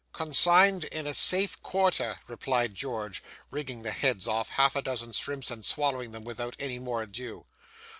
'Con signed in a safe quarter,' replied George, wringing the heads off half a dozen shrimps, and swallowing them without any more ado.